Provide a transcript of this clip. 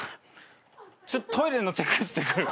ちょっとトイレのチェックしてくる。